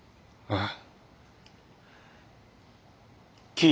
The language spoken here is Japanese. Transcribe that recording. ああ。